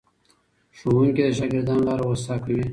ښوونکي د شاګردانو لاره هوسا کوي.